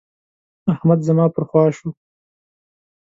احمد زما پر خوا شو.